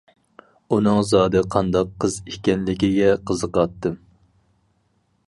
ئۇنىڭ زادى قانداق قىز ئىكەنلىكىگە قىزىقاتتىم.